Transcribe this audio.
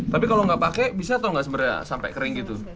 tapi kalau nggak pakai bisa atau nggak sebenarnya sampai kering gitu